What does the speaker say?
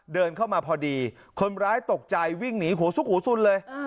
เดินเข้ามาพอดีคนร้ายตกใจวิ่งหนีหัวซุกหูสุนเลย